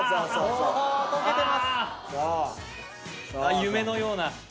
夢のような。